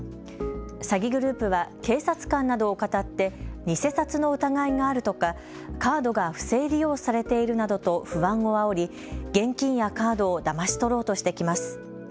詐欺グループは警察官などをかたって偽札の疑いがあるとかカードが不正利用されているなどと不安をあおり現金やカードをだまし取ろうとしてきます。